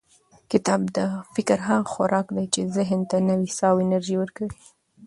کتاب د فکر هغه خوراک دی چې ذهن ته نوې ساه او انرژي ورکوي.